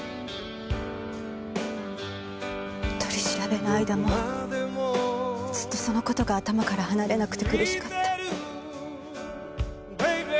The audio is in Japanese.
取り調べの間もずっとその事が頭から離れなくて苦しかった。